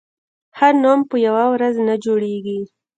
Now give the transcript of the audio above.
ښه نوم په یوه ورځ نه جوړېږي.